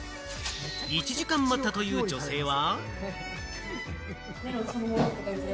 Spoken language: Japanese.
１時間待ったという女性は。